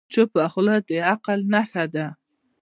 چپه خوله، د عقل نښه ده.